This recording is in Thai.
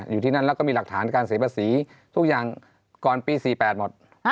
อยู่ที่นั่นแล้วก็มีหลักฐานการเสียภาษีทุกอย่างก่อนปี๔๘หมด